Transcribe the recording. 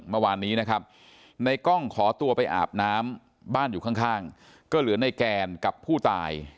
เมื่อวานนี้นะครับในกล้องขอตัวไปอาบน้ำบ้านอยู่ข้างก็เหลือในแกนกับผู้ตาย